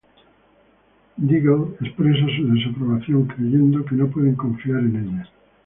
Diggle expresa su desaprobación, creyendo que no pueden confiar en ella.